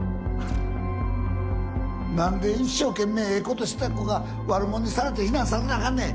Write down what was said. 何で一生懸命ええことした子が悪者にされて非難されなアカンねん！